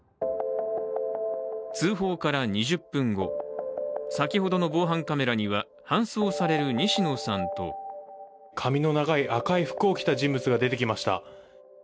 通報から２０分後、先ほどの防犯カメラには搬送される西野さんと髪の長い、赤い服を着た人物が出てきました。